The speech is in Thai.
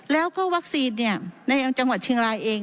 แล้วก็วัคซีนในจังหวัดเชียงรายเอง